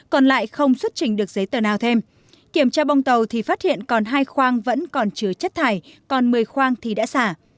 còn lại không xuất trình được giấy tờ nào thêm kiểm tra bong tàu thì phát hiện còn hai khoang vẫn còn chứa chất thải còn một mươi khoang thì đã xả